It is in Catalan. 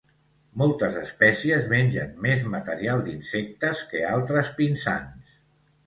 Moltes espècies mengen més material d'insectes que altres pinsans.